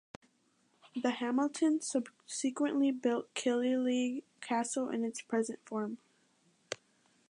The Hamiltons subsequently built Killyleagh Castle in its present form.